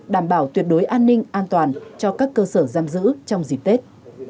đảm bảo tuyệt đối an ninh an toàn cho các cơ sở giam giữ trong dịp tết